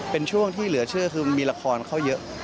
เป็นช่วงที่เหลือเชื่อคือมีละครเข้าเยอะ